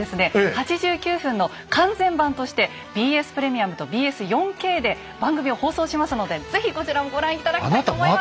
８９分の完全版としてＢＳプレミアムとＢＳ４Ｋで番組を放送しますので是非こちらもご覧頂きたいと思います。